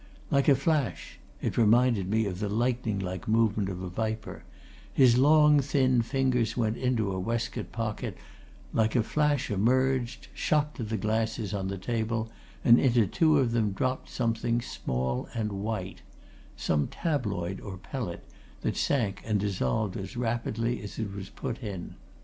Like a flash (it reminded me of the lightning like movement of a viper) his long, thin fingers went into a waistcoat pocket; like a flash emerged, shot to the glasses on the table and into two of them dropped something small and white some tabloid or pellet that sank and dissolved as rapidly as it was put in.